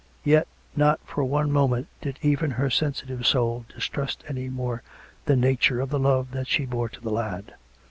Yet, not for one moment did even her sensitive soul distrust any more the nature of the love that she bore to the lad.